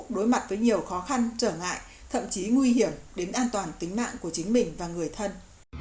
đối mặt với nhiều khó khăn trở ngại thậm chí nguy hiểm đến an toàn tính mạng của chính mình và người thân